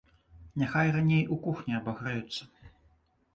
Няхай раней у кухні абагрэюцца.